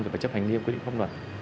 phải chấp hành nghiêm quy định pháp luật